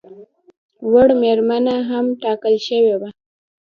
وړ مېرمنه هم ټاکل شوې وه.